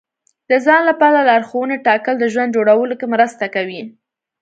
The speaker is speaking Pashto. د ځان لپاره لارښوونې ټاکل د ژوند جوړولو کې مرسته کوي.